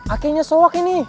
akhirnya soak ini